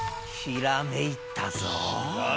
ひらめいたか。